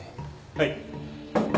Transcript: はい。